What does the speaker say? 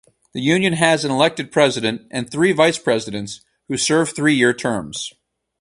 The Union has an elected President and three Vice-Presidents, who serve three-year terms.